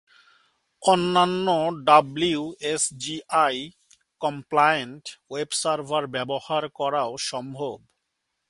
অন্যান্য WSGI compliant web server ব্যবহার করাও সম্ভব।